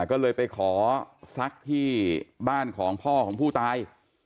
ก็เลยไปขอซักที่บ้านของพ่อของผู้ตาย